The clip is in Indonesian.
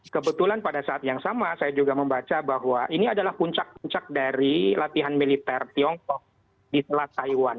kebetulan pada saat yang sama saya juga membaca bahwa ini adalah puncak puncak dari latihan militer tiongkok di selat taiwan